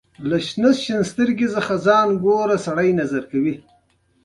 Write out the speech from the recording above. نارې زیاتره نالوستو نارینه وو او ښځو جوړې کړې دي.